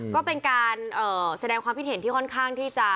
ก็เป็นการแสดงความคิดเห็นที่ค่อนข้างที่จะ